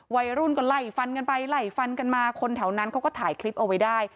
วัยรุ่นก็ไล่ฟันกันไปไล่ฟันกันมาคนแถวนั้นเขาก็ถ่ายคลิปเอาไว้ได้